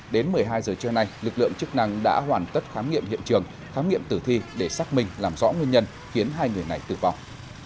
đến một mươi hai giờ trưa nay lực lượng chức năng đã hoàn tất khám nghiệm hiện trường khám nghiệm tử thi để xác minh làm rõ nguyên nhân khiến hai người này tử vong